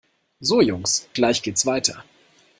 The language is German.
So Jungs, gleich geht's weiter!